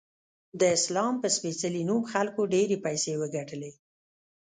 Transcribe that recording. د اسلام په سپیڅلې نوم خلکو ډیرې پیسې وګټلی